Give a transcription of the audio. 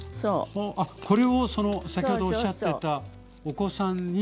これを先ほどおっしゃってたお子さんに。